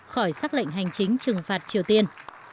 khỏi xác lệnh hành chính trừng phạt triều tiên